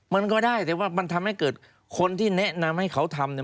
มันก็ได้แต่ว่ามันทำให้เกิดคนที่แนะนำให้เขาทำ